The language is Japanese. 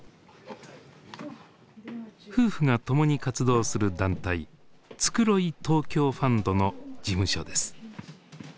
夫婦が共に活動する団体「つくろい東京ファンド」の事務所です。